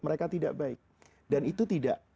mereka tidak baik dan itu tidak